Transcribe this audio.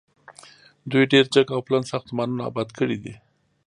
دوی ډیر جګ او پلن ساختمانونه اباد کړي دي.